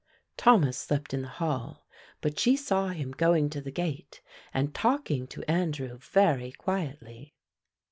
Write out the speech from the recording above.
Thomas slept in the hall, but she saw him going to the gate and talking to Andrew very quietly.